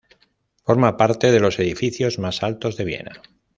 Forma parte de los edificios más altos de Viena.